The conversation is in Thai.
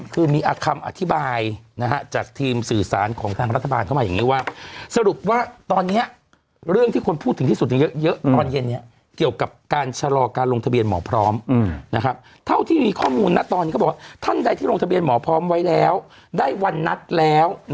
คือมีคำอธิบายจากทีมสื่อสารของทางรัฐบาลเข้ามาอย่างนี้ว่า